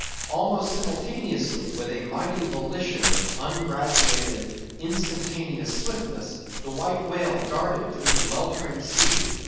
Almost simultaneously, with a mighty volition of ungraduated, instantaneous swiftness, the White Whale darted through the weltering sea.